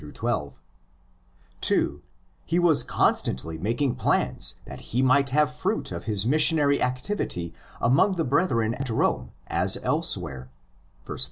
(2) He was constantly making plans that he might have fruit of his missionary activity among the brethren at Rome as elsewhere (verse 13).